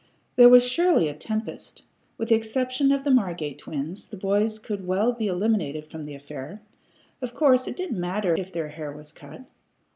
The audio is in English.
There was surely a tempest. With the exception of the Margate twins, the boys could well be eliminated from the affair. Of course it didn't matter if their hair was cut.